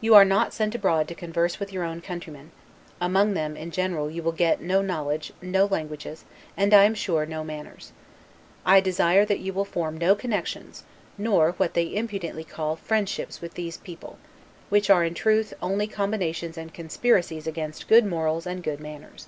You are not sent abroad to converse with your own countrymen: among them, in general, you will get, little knowledge, no languages, and, I am sure, no manners. I desire that you will form no connections, nor (what they impudently call) friendships with these people; which are, in truth, only combinations and conspiracies against good morals and good manners.